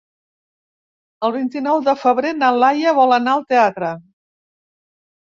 El vint-i-nou de febrer na Laia vol anar al teatre.